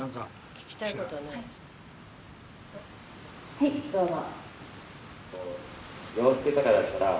はいどうぞ。